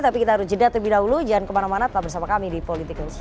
tapi kita harus jeda terlebih dahulu jangan kemana mana tetap bersama kami di political show